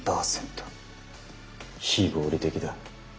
非合理的だ。